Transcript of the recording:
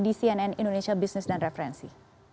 di cnn indonesia business dan referensi